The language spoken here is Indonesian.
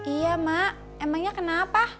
iya mak emangnya kenapa